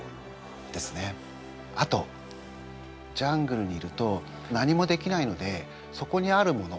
あとジャングルにいると何もできないのでそこにあるもの